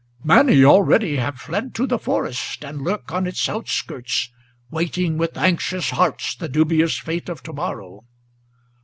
Many already have fled to the forest, and lurk on its outskirts, Waiting with anxious hearts the dubious fate of to morrow.